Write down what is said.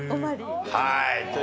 はい。